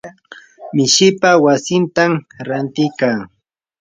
mishipaa wasitam ranti kaa.